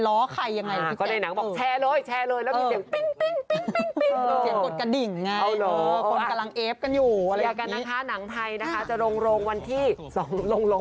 ลงมันลงสายนะไม่ใช่ลงจริง